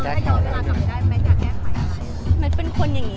แม็กซ์ก็คือหนักที่สุดในชีวิตเลยจริง